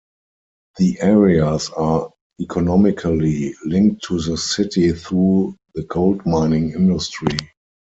The areas are economically linked to the city through the gold mining industry.